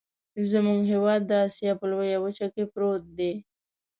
زمونږ هیواد د اسیا په لویه وچه کې پروت دی.